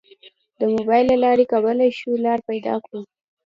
د موبایل له لارې کولی شو لار پیدا کړو.